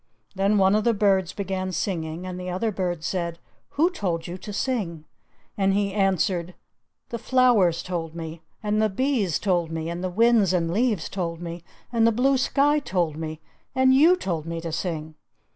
Then one of the birds began singing, and the other bird said, "Who told you to sing?" And he answered, "The flowers told me, and the bees told me, and the winds and leaves told me, and the blue sky told me, and you told me to sing."